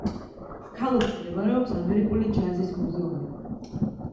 ქალაქში მდებარეობს ამერიკული ჯაზის მუზეუმი.